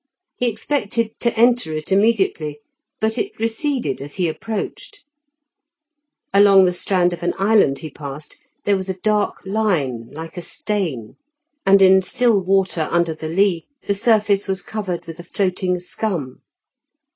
He expected to enter it immediately, but it receded as he approached. Along the strand of an island he passed there was a dark line like a stain, and in still water under the lee the surface was covered with a floating scum.